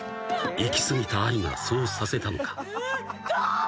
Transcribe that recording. ［いき過ぎた愛がそうさせたのか］